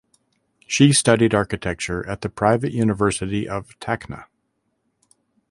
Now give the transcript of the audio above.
She studied architecture at the Private University of Tacna.